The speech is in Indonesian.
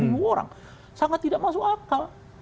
dua puluh ribu orang sangat tidak masuk akal